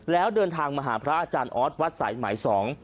แล้วเดินทางมาหาพระอาจารย์ออสวัดสายหมายสอง